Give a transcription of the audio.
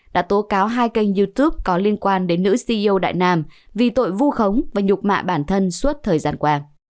đã tố cáo hai kênh youtube có liên quan đến nữ ceo đại nam vì tội vu khống và nhục mạ bản thân suốt thời gian qua